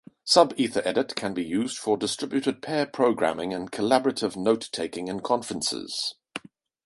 SubEthaEdit can be used for distributed pair programming and collaborative note-taking in conferences.